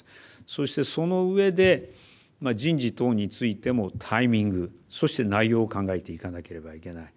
そして、その上で人事等についてもタイミングそして、内容を考えていかなければいけない。